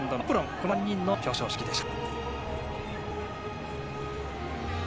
この３人の表彰式でした。